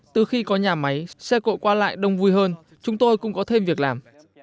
từ khi có nhà máy xe cộ qua lại đông vui hơn chúng tôi cũng có thêm việc làm